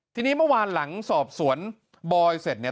ทีนี้เมื่อวานหลังสอบสวนบอยเสร็จเนี่ย